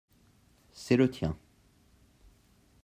C’est le tien.